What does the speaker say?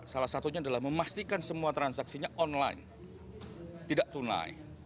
salah satunya adalah memastikan semua transaksinya online tidak tunai